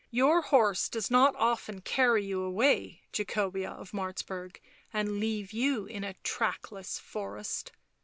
" Your horse does not often carry you away, Jacobea of Martzburg, and leave you in a trackless forest."